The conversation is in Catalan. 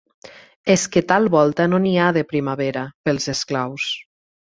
És que tal volta no n'hi ha de primavera, pels esclaus